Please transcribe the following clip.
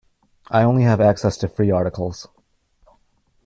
I only have access to free articles.